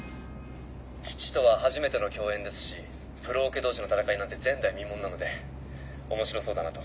父とは初めての共演ですしプロオケ同士の戦いなんて前代未聞なので面白そうだなと。